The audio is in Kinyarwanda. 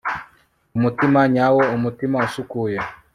umutima nyawo, umutima usukuye